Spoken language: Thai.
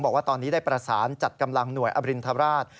บอกว่าตอนนี้ได้ประสานจัดกำลังหน่วยอรินทราช